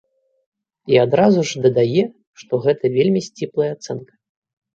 І адразу ж дадае, што гэта вельмі сціплая ацэнка.